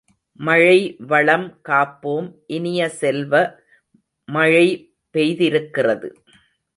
மழைவளம் காப்போம் இனிய செல்வ, மழை பெய்திருக்கிறது.